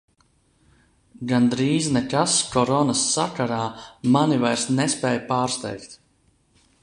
Gandrīz nekas Koronas sakarā mani vairs nespēj pārsteigt.